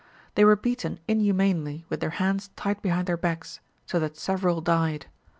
They were beaten inhumanely with their hands tied behind their backs, so that several died.